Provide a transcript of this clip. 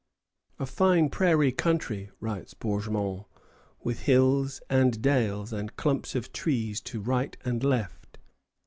"A fine prairie country," writes Bourgmont, "with hills and dales and clumps of trees to right and left."